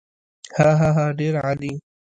هاهاها ډېر عالي.